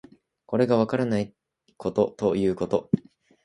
これがわからないことということ